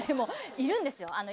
いるんですよ。